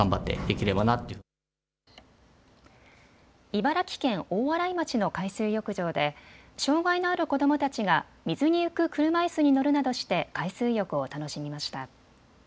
茨城県大洗町の海水浴場で障害のある子どもたちが水に浮く車いすに乗るなどして海水浴を楽しみました。